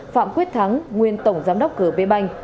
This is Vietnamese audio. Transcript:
phạm quyết thắng nguyên tổng giám đốc g p banh